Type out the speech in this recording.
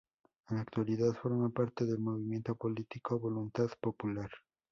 En la actualidad, forma parte del movimiento político Voluntad Popular.